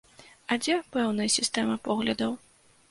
А дзе пэўная сістэма поглядаў?